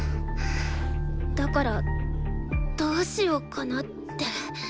だからどうしようかなって。